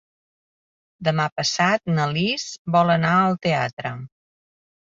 Demà passat na Lis vol anar al teatre.